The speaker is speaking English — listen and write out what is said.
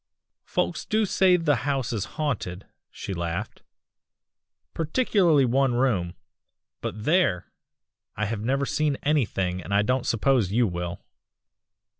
"'Folks do say the house is haunted,' she laughed, 'particularly one room but there! I have never seen anything, and I don't suppose you will.